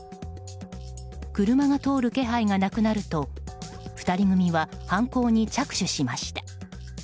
車が通る気配がなくなると２人組は犯行に着手しました。